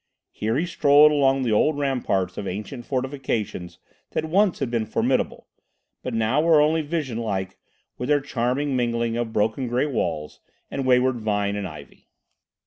Here he strolled along the old ramparts of ancient fortifications that once had been formidable, but now were only vision like with their charming mingling of broken grey walls and wayward vine and ivy.